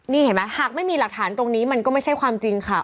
นี่เห็นไหมหากไม่มีหลักฐานตรงนี้มันก็ไม่ใช่ความจริงค่ะ